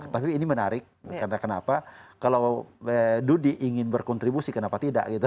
tapi ini menarik karena kenapa kalau dudi ingin berkontribusi kenapa tidak gitu